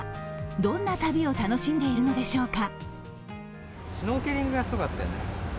どんな旅を楽しんでいるのでしょうか。